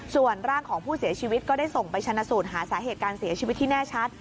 ส่วนร่างของผู้เสียชีวิตก็ได้ส่งไปชนะสูตรหาสาเหตุการเสียชีวิตที่แน่ชัด